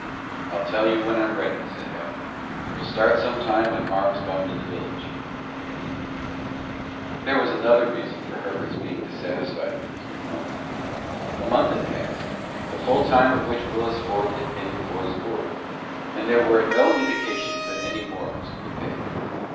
"I'll tell you when I'm ready," said Abner. "We'll start some time when marm's gone to the village." There was another reason for Herbert's being dissatisfied with his new home. A month had passed the full time for which Willis Ford had paid the boy's board and there were no indications that any more was to be paid.